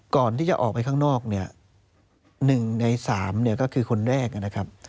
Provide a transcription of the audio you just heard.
ก่อนที่จะออกไปข้างนอกเนี่ย๑ใน๓เนี่ยก็คือคนแรกนะครับ